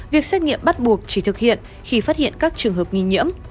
việc xét nghiệm bắt buộc chỉ thực hiện khi phát hiện các trường hợp nghi nhiễm